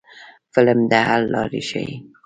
فلم د حل لارې ښيي